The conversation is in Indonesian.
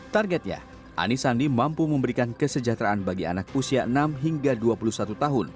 targetnya anies sandi mampu memberikan kesejahteraan bagi anak usia enam hingga dua puluh satu tahun